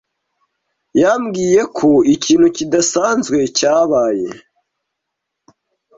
Yambwiye ko ikintu kidasanzwe cyabaye.